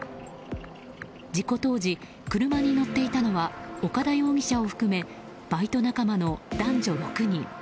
事故当時、車に乗っていたのは岡田容疑者を含めバイト仲間の男女６人。